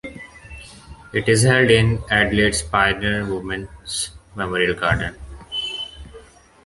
It is held in Adelaide's Pioneer Women's Memorial Garden.